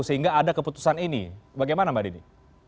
sehingga ada keputusan ini bagaimana mbak dini